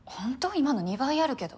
今の２倍あるけど。